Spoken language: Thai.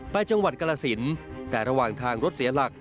จังหวัดกรสินแต่ระหว่างทางรถเสียหลัก